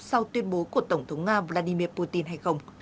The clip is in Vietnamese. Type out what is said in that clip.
sau tuyên bố của tổng thống nga vladimir putin hay không